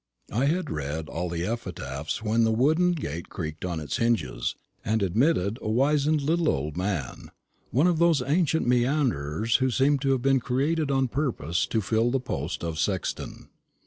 I had read all the epitaphs when the wooden gate creaked on its hinges, and admitted a wizen little old man one of those ancient meanderers who seem to have been created on purpose to fill the post of sexton.